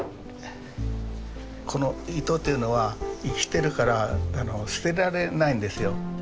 この糸というのは生きてるから捨てられないんですよ。